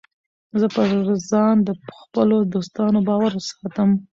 زه پر ځان د خپلو دوستانو باور ساتم.